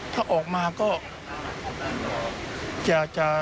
ถ้าออกมาก็จะ